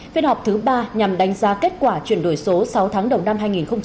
phiên họp thứ ba nhằm đánh giá kết quả chuyển đổi số sáu tháng đầu năm hai nghìn hai mươi